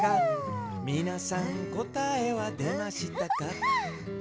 「みなさんこたえはでましたか？」